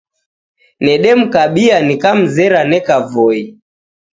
Nedemkabia nikamzra neka Voi.